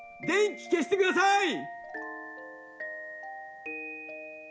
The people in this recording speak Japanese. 電気つけてください！